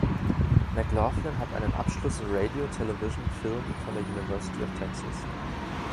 McLaughlin hat einen Abschluss in Radio-Television-Film von der University of Texas.